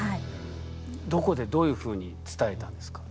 どこでどういうふうに伝えたんですか？